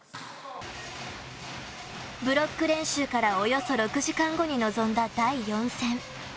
ブロック練習からおよそ６時間後に臨んだ第４戦。